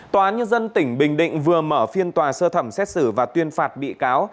tòa án nhân dân tỉnh bình định vừa mở phiên tòa sơ thẩm xét xử và tuyên phạt bị cáo